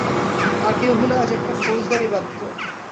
আর কেউ হলে আজ একটা ফৌজদারি বাধত।